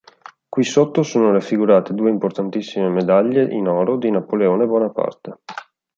Qui sotto sono raffigurate due importantissime medaglie in oro di Napoleone Bonaparte.